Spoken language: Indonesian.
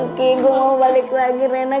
oke gue mau balik lagi rena